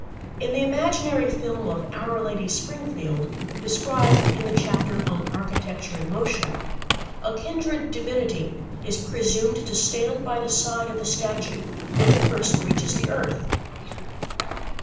In the imaginary film of Our Lady Springfield, described in the chapter on Architecture in Motion, a kindred divinity is presumed to stand by the side of the statue when it first reaches the earth.